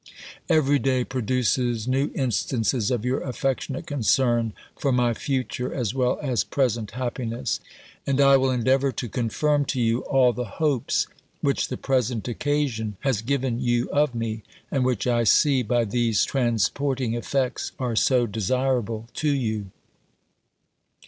Every day produces new instances of your affectionate concern for my future as well as present happiness: and I will endeavour to confirm to you all the hopes which the present occasion has given you of me, and which I see by these transporting effects are so desirable to you."